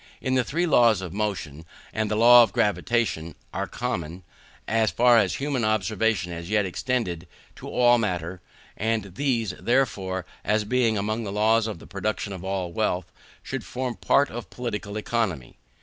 The three laws of motion, and the law of gravitation, are common, as far as human observation has yet extended, to all matter; and these, therefore, as being among the laws of the production of all wealth, should form part of Political Economy.